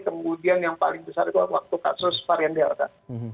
kemudian yang paling besar itu waktu kasus varian delta